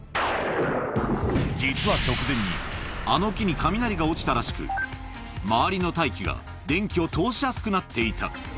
実は直前に、あの木に雷が落ちたらしく、周りの大気が電気を通しやすくなっていた。